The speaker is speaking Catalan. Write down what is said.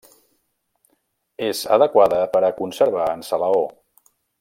És adequada per a conservar en salaó.